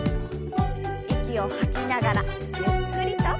息を吐きながらゆっくりと。